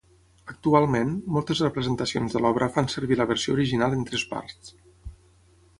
Actualment, moltes representacions de l'obra fan servir la versió original en tres parts.